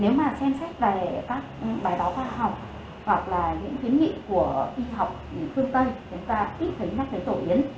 nếu mà xem sách về các bài báo khoa học hoặc là những kiến nghị của y học phương tây chúng ta ít thấy nhắc về tổ yến